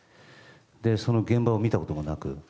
その現場を見たこともなく。